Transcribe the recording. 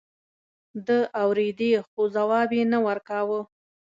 ده اورېدې خو ځواب يې نه ورکاوه.